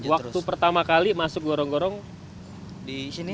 waktu pertama kali masuk gorong gorong di sini